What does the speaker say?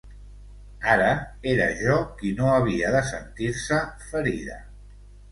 Ara era jo qui no havia de sentir-se ferida.